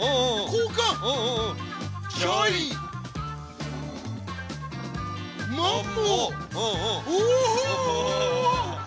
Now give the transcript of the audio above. こうかん！